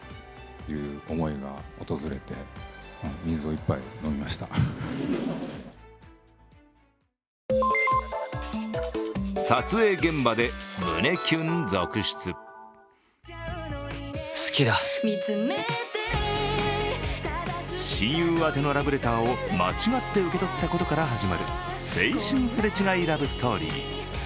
一足先に帰国していた坂元さんは親友宛のラブレターを間違って受け取ったことから始まる青春すれ違いラブストーリー。